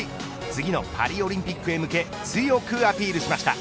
次のパリオリンピックへ向け強くアピールしました。